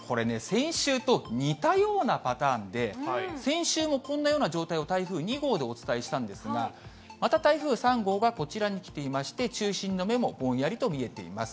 先週と似たようなパターンで、先週もこんなような状態を台風２号でお伝えしたんですが、また台風３号がこちらに来ていまして、中心の目もぼんやりと見えています。